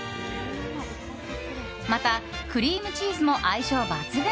またクリームチーズも相性抜群。